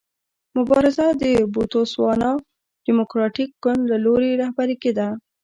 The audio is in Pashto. مبارزه د بوتسوانا ډیموکراټیک ګوند له لوري رهبري کېده.